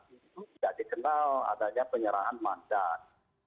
itu tidak dikenal adanya penyerahan mandat